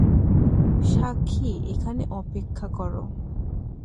সাক্ষী, এখানে অপেক্ষা কর।